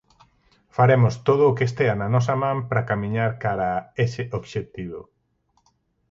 Faremos todo o que estea na nosa man para camiñar cara a ese obxectivo.